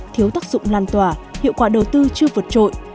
thiếu tác dụng lan tỏa hiệu quả đầu tư chưa vượt trội